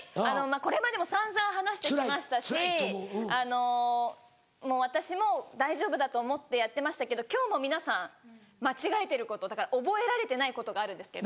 これまでも散々話してきましたしあのもう私も大丈夫だと思ってやってましたけど今日も皆さん間違えてることだから覚えられてないことがあるんですけど。